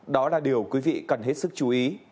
đó là điều quý vị cần hết sức chú ý